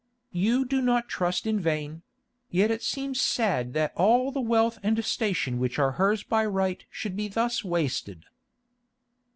"You do not trust in vain; yet it seems sad that all the wealth and station which are hers by right should thus be wasted."